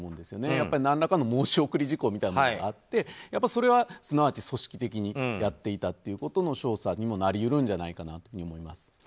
やっぱり何らかの申し送り事項みたいなものがあってそれはすなわち組織的にやっていたことの証左にもなりうると思います。